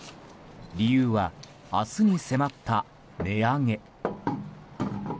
理由は、明日に迫った値上げ。